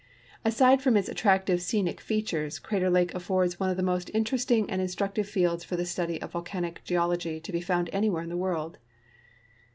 Aside from its attractive scenic features, Crater lake affords one of the most interesting and instructive fields for the study of volcanic geolog}^ to be found anywhere in the world.